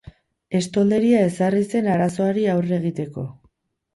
Estolderia ezarri zen arazoari aurre egiteko.